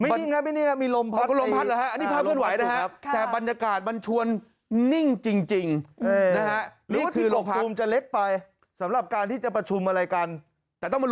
ครับไม่ได้งั้ยนะไม่ได้มีลมพรรตลมพรรตหรอฮะ